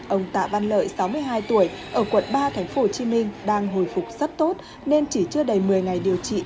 ông tạ văn lợi sáu mươi hai tuổi ở quận ba tp hcm đang hồi phục rất tốt nên chỉ chưa đầy một mươi ngày điều trị